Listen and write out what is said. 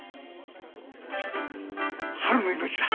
春の命だ！